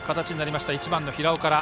打者は１番の平尾から。